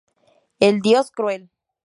El Dios cruel".